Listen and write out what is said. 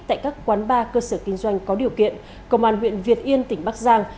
tại các quán bar cơ sở kinh doanh có điều kiện công an huyện việt yên tỉnh bắc giang